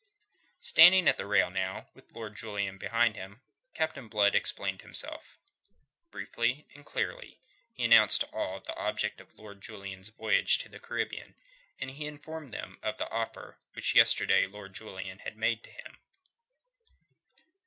Standing now at the rail, with Lord Julian beside him, Captain Blood explained himself. Briefly and clearly he announced to all the object of Lord Julian's voyage to the Caribbean, and he informed them of the offer which yesterday Lord Julian had made to him.